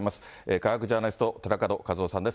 科学ジャーナリスト、寺門和夫さんです。